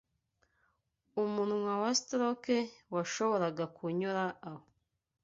Umunwa wa Stork washoboraga kunyura aho